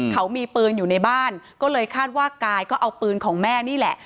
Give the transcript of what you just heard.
เขามีปืนอยู่ในบ้านก็เลยคาดว่ากายก็เอาปืนของแม่นี่แหละ